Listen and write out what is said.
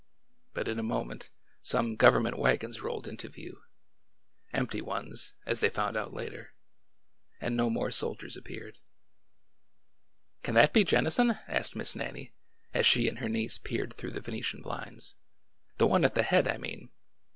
But in a moment some government wagons rolled into view, — empty ones, as they found out later, — and no more soldiers appeared. ''Can that be Jennison?'' asked Miss Nannie, as she and her niece peered through the Venetian blinds, —" the one at the head, I mean.